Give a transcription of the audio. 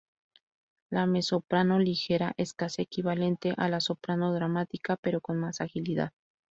La "mezzosoprano ligera" es casi equivalente a la "soprano dramática", pero con más agilidad.